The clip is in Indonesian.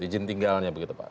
ijin tinggalnya begitu pak